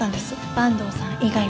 坂東さん以外は。